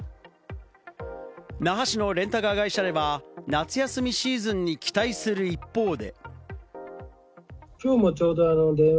那覇市のレンタカー会社では、夏休みシーズンに期待する一方で。